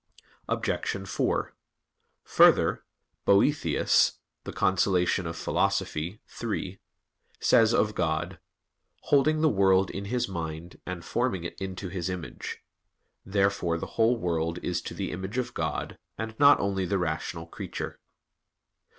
Obj. 4: Further, Boethius (De Consol. iii) says of God: "Holding the world in His mind, and forming it into His image." Therefore the whole world is to the image of God, and not only the rational creature.